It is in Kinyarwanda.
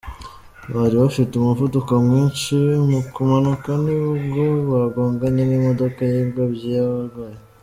Bari bafite umuvuduko mwinshi mu kumanuka nibwo bagonganye n’imodoka y’ingobyi y’abarwayi.